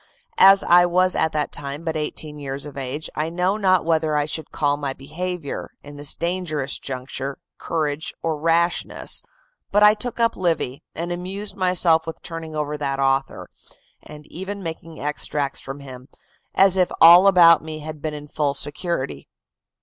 As I was at that time but eighteen years of age, I know not whether I should call my behavior, in this dangerous juncture, courage or rashness; but I took up Livy, and amused myself with turning over that author, and even making extracts from him, as if all about me had been in full security.